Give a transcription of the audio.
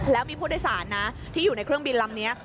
แล้วมีผู้โดยสารนะที่อยู่ในเครื่องบินลำนี้